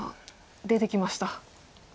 出てきました。